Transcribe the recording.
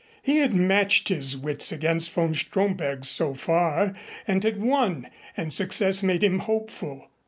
He had matched his wits against von Stromberg's so far and had won, and success made him hopeful.